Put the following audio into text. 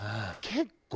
結構。